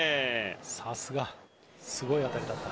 さすが、すごい当たりだった。